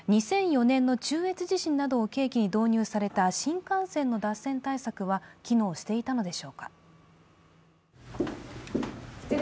２００４年の中越地震などを契機に導入された新幹線の脱線対策は機能していたのでしょうか。